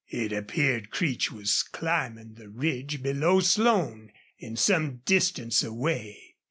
It appeared Creech was climbing the ridge below Slone, and some distance away.